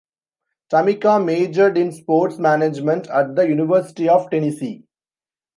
Tamika majored in Sports Management at the University of Tennessee.